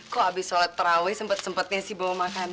kok habis sholat terawih sempet sempetnya sih bawa makanan